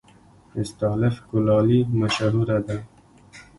استالف کلالي مشهوره ده؟